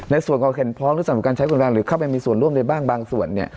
ในส่วนเห็นพ้องหรือสนับสนุกการใช้ความรุนแรงหรือเข้าไปมีส่วนร่วมในบ้างส่วน